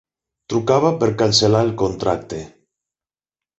Trucava per cancel·lar el contracte.